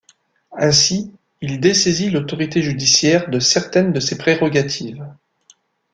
Ainsi, il dessaisit l'autorité judiciaire de certaines de ses prérogatives.